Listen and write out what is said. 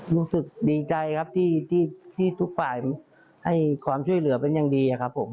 รู้สึกดีใจที่ทุกฝ่ายให้ความช่วยเหลือเป็นอย่างดี